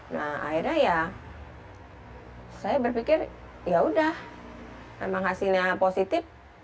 nah akhirnya ya saya berpikir yaudah memang hasilnya positif